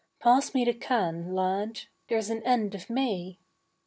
Pass me the can, lad; there's an end of May.